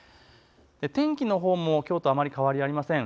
天気のほうもきょうとあまり変わりありません。